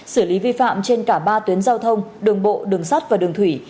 xử lý vi phạm trên cả ba tuyến giao thông đường bộ đường sắt và đường thủy